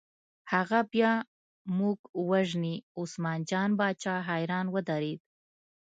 هغه بیا موږ وژني، عثمان جان باچا حیران ودرېد.